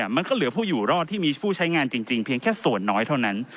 มันก็เหลือผู้อยู่รอดที่มีผู้ใช้งานจริงเพียงแค่ส่วนน้อยเท่านั้น